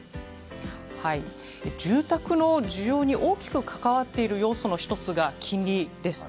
住宅の需要に大きく関わっている要素の１つが金利です。